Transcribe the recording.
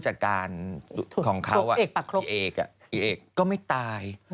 ฮือไม่ตาย